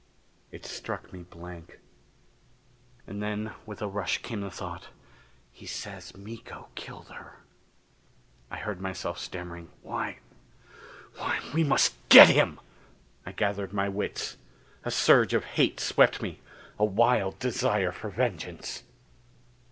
It struck me blank. And then with a rush came the thought, "He says Miko killed her".... I heard myself stammering, "Why why we must get him!" I gathered my wits; a surge of hate swept me; a wild desire for vengeance.